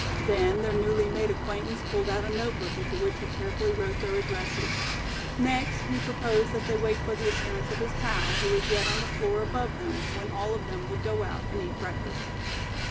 Then their newly made acquaintance pulled out a notebook into which he carefully wrote their addresses. Next he proposed that they wait for the appearance of his pal, who was yet on the floor above them, when all of them would go out and eat breakfast.